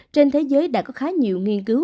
trên thế giới đã có khá nhiều nghiên cứu